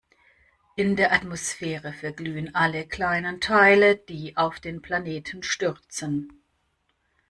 In der Atmosphäre verglühen alle kleinen Teile, die auf den Planeten stürzen.